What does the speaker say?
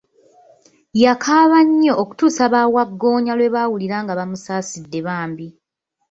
Yakaaba nnyo okutuusa bawagggoonya Iwe baawulira nga bamusaasidde bambi.